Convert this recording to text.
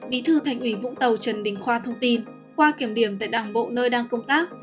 bí thư thành ủy vũng tàu trần đình khoa thông tin qua kiểm điểm tại đảng bộ nơi đang công tác